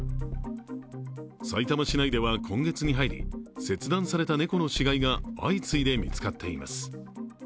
さいたま市内では今月に入り切断された猫の死骸が相次いで見つかっています。